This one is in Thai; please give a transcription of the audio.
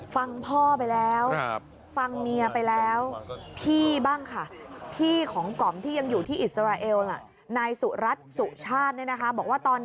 ฟังพ่อไปแล้วฟังเมียไปแล้วพี่บ้างค่ะพี่ของก๋อมที่ยังอยู่ที่อิสราเอลนายสุรัตน์สุชาติบอกว่าตอนนี้